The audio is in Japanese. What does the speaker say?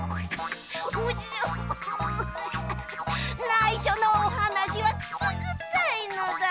ないしょのおはなしはくすぐったいのだ。